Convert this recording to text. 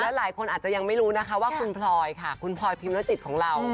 หลายคนอาจจะยังไม่รู้นะคะว่าคุณพลอยค่ะคุณพลอยพิมรจิตของเรา